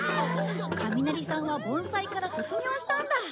神成さんは盆栽から卒業したんだ。